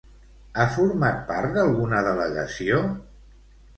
Ha format part d'alguna delegació?